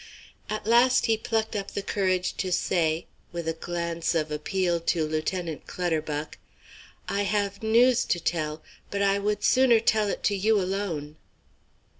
At last he plucked up the courage to say, with a glance of appeal to Lieutenant Clutterbuck: "I have news to tell, but I would sooner tell it to you alone."